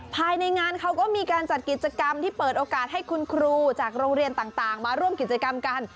ภายในงานเขาก็มีการจัดกิจกรรมที่เปิดโอกาสให้คุณครูจากโรงเรียนต่างมาร่วมกิจกรรมกัน